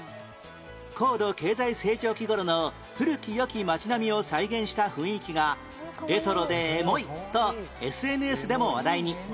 高度経済成長期頃の古き良き街並みを再現した雰囲気がレトロでエモいと ＳＮＳ でも話題に